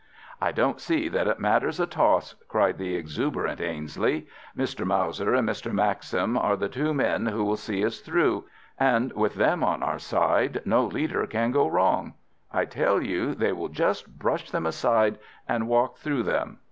"I don't see that it matters a toss," cried the exuberant Ainslie. "Mr. Mauser and Mr. Maxim are the two men who will see us through, and with them on our side no leader can go wrong. I tell you they will just brush them aside and walk through them.